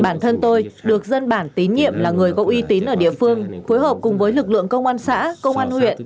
bản thân tôi được dân bản tín nhiệm là người có uy tín ở địa phương phối hợp cùng với lực lượng công an xã công an huyện